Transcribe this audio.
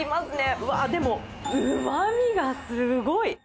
うわー、でも、うまみがすごい！